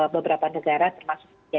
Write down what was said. beberapa negara termasuk